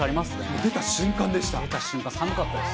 出た瞬間、寒かったです。